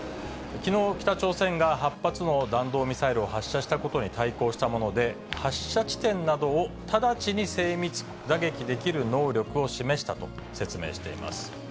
きのう、北朝鮮が８発の弾道ミサイルを発射したことに対抗したもので、発射地点などを直ちに精密打撃できる能力を示したと説明しています。